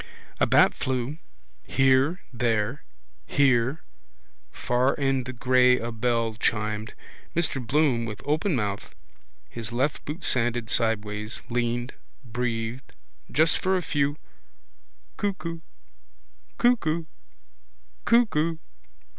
A bat flew. Here. There. Here. Far in the grey a bell chimed. Mr Bloom with open mouth, his left boot sanded sideways, leaned, breathed. Just for a few Cuckoo Cuckoo Cuckoo.